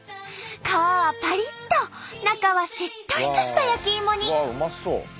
皮はパリッと中はしっとりとした焼きイモに。